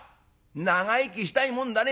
長生きしたいもんだね。